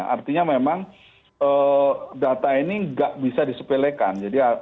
artinya memang data ini nggak bisa disepelekan